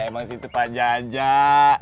emang situ pak jajak